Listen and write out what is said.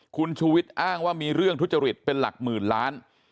คุณชูวิทย์อ้างว่ามีเรื่องทุจริตเป็นหลักหมื่นล้าน